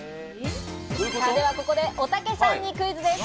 ここで、おたけさんにクイズです。